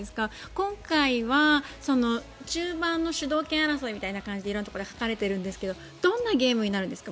今回は中盤の主導権争いみたいな形で色んなところで書かれてるんですがどんなゲームになるんですか。